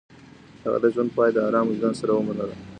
هغه د ژوند پاى د ارام وجدان سره ومنله.